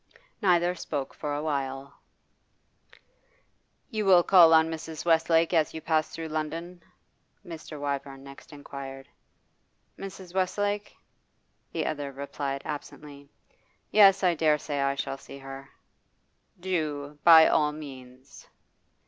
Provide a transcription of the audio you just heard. Neither spoke for a while. 'You will call on Mrs. Westlake as you pass through London?' Mr. Wyvern next inquired. 'Mrs. Westlake?' the other repeated absently. 'Yes, I dare say I shall see her.' 'Do, by all means.